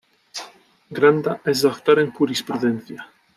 Granda es doctor en Jurisprudencia.